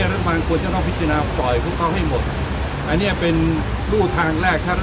เขาจะหลบเติมติดตากับอาวุธ